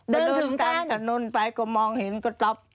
เดินถึงกันกดโชคลุนต์กดมองเห็นก็ตั๊บ